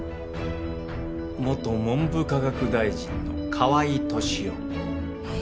元文部科学大臣の河合敏夫。え？